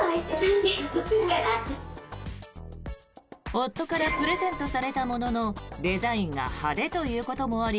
夫からプレゼントされたもののデザインが派手ということもあり